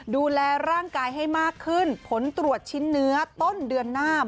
ดูแลร่างกายให้มากขึ้นผลตรวจชิ้นเนื้อต้นเดือนหน้า